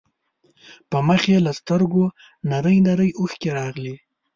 په مخ يې له سترګو نرۍ نرۍ اوښکې راغلې.